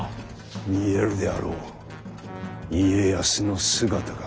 見えるであろう家康の姿が。